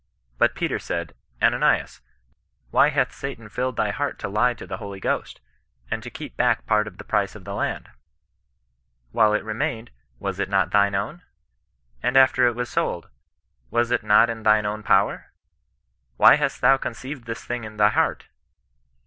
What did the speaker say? But Peter said, Ananias, why hath Satan nlled thy heart to lie to tJbe Holy Qhost, and to keep back part of the price of CHEISTIAK NON BBSISTAVOE. (il the land? While it remained, was it not thine own? and after it was sold, was it not in thine own power ! Why hast thou conceived this thing in thy heart